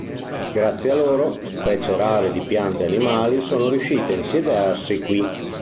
Grazie a loro, specie rare di piante e animali sono riuscite a insediarsi qui.